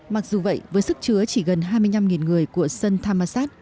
mặc dù vậy với sức chứa chỉ gần hai mươi năm người của sơn thammasat